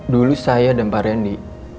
dulu saya dan pak randy